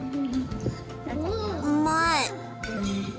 うまい。